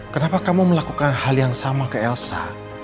kenapa kamu melakukan hal yang sama ke elsa